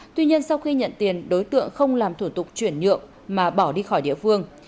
tuy nhiên sau khi nhận tiền đối tượng không làm thủ tục chuyển nhượng mà bỏ đi khỏi địa phương